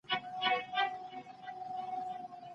تېر وخت د عبرت یوه پاڼه ده.